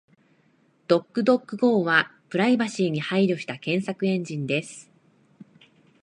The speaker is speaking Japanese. DuckDuckGo はプライバシーに配慮した検索エンジンです。